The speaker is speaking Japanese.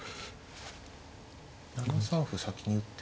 ７三歩先に打って。